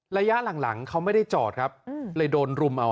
ระยะหลังเขาไม่ได้จอดครับเลยโดนรุมเอา